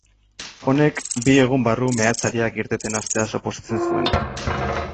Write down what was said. Honek, bi egun barru meatzariak irteten hastea suposatzen zuen.